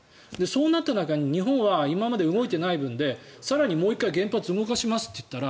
そうなった中に日本は今まで動いてない分で更にもう１回原発を動かしますといったら